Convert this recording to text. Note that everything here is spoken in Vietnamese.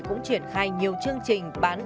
cũng triển khai nhiều chương trình bán